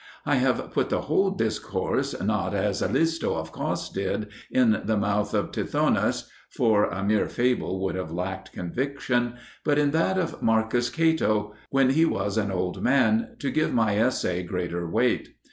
I have put the whole discourse not, as Alisto of Cos did, in the mouth of Tithonus for a mere fable would have lacked conviction but in that of Marcus Cato when he was an old man, to give my essay greater weight.